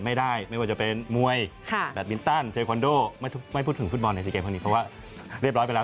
ไม่ว่าจะเป็นมวยแบตบินตันเทควันโดไม่พูดถึงฟุตบอลในสี่เกมเพราะว่าเรียบร้อยไปแล้ว